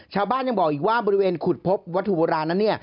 ชาวบ้านยังบอกอีกว่าบริเวณขุดพบวัตถุโบราณนั้น